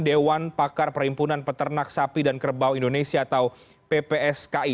dewan pakar perhimpunan peternak sapi dan kerbau indonesia atau ppski